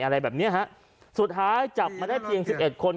อะไรแบบเนี้ยฮะสุดท้ายจับมาได้เพียงสิบเอ็ดคน